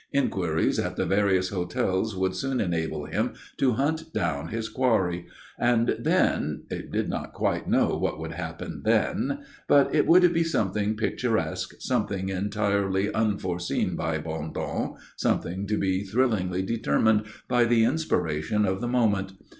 Inquiries at the various hotels would soon enable him to hunt down his quarry; and then he did not quite know what would happen then but it would be something picturesque, something entirely unforeseen by Bondon, something to be thrillingly determined by the inspiration of the moment.